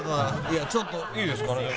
いやちょっといいですかね？